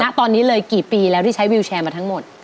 ณตอนนี้เลยกี่ปีแล้วที่ใช้วิวแชร์มาทั้งหมด